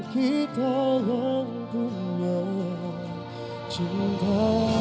kita yang punya cinta